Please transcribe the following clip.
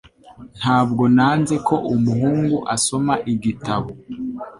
Ntabwo nanze ko umuhungu asoma igitabo.